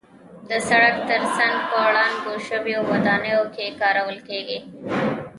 د سړک تر څنګ په ړنګو شویو ودانیو کې کارول کېږي.